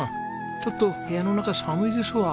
ちょっと部屋の中寒いですわ。